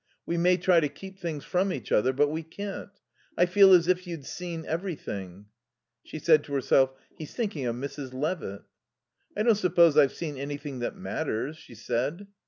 We may try to keep things from each other, but we can't. I feel as if you'd seen everything." She said to herself: "He's thinking of Mrs. Levitt." "I don't suppose I've seen anything that matters," she said.